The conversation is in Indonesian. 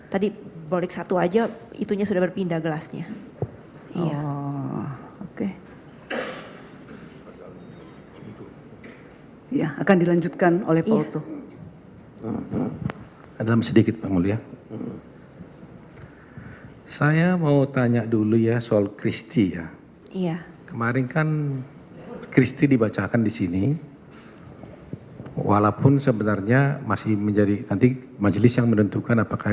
tadi bolik satu saja itunya sudah berpindah gelasnya